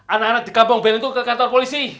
anak anak dikabung band itu ke kantor polisi